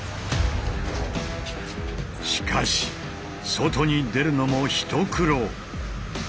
しかし外に出るのも一苦労！